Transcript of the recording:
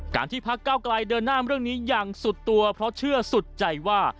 ที่พักเก้าไกลเดินหน้าเรื่องนี้อย่างสุดตัวเพราะเชื่อสุดใจว่า